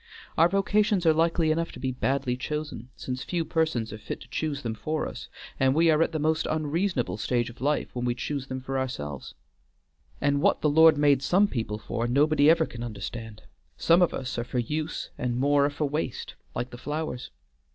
Our vocations are likely enough to be illy chosen, since few persons are fit to choose them for us, and we are at the most unreasonable stage of life when we choose them for ourselves. And what the Lord made some people for, nobody ever can understand; some of us are for use and more are for waste, like the flowers.